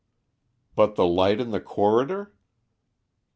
"But the light in the corridor?"